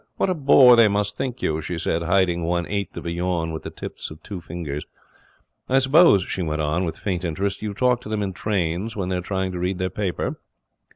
'What a bore they must think you!' she said, hiding one eighth of a yawn with the tips of two fingers. 'I suppose,' she went on, with faint interest, 'you talk to them in trains when they are trying to read their paper?'